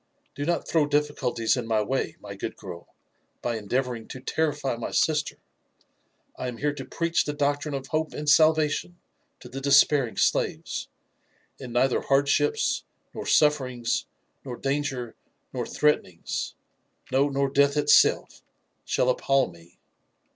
" Do not throw difficulties in my way, my good girl, by endeavouring to terrify my sister. I am here to preach the doctrine of hope and salvation to the despairing slaves, and neither hardships, nor sufferings, nor danger, nor threatenings — no, nor death itself, shall appal me.